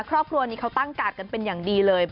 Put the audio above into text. ครอบครัวนี้เขาตั้งกาดกันเป็นอย่างดีเลย